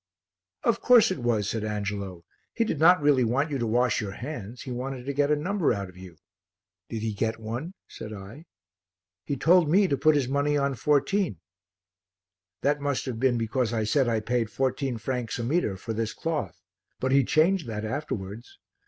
"Of course it was," said Angelo; "he did not really want you to wash your hands, he wanted to get a number out of you." "Did he get one?" said I. "He told me to put his money on 14." "That must have been because I said I paid 14 francs a metre for this cloth. But he changed that afterwards."